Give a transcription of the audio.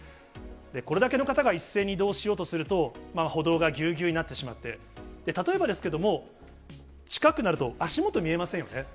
これだけの方が一斉に移動しようとすると、歩道がぎゅうぎゅうになってしまって、例えばですけども、近くなると足元見えませんよね。